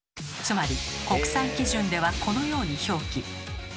つまり国際基準ではこのように表記。